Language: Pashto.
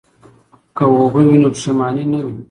که اوبه وي نو پښیماني نه وي.